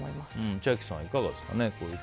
千秋さん、いかがですか？